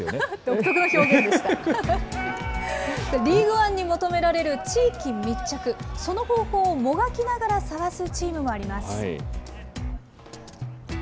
リーグワンに求められる地域密着、その方法をもがきながら探すチームもあります。